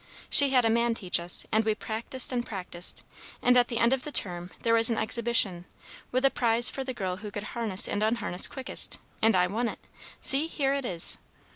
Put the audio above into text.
She had a man teach us, and we practised and practised, and at the end of the term there was an exhibition, with a prize for the girl who could harness and unharness quickest, and I won it! See, here it is!"